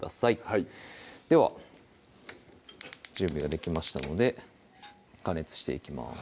はいでは準備ができましたので加熱していきます